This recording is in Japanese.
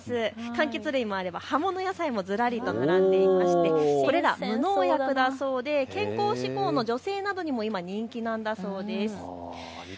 かんきつ類もあれば葉物野菜もずらりと並んでいましてこれら無農薬だそうで健康志向の女性などにも今、人気なんだそうです。